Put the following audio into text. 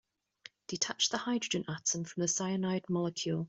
Detach the hydrogen atom from the cyanide molecule.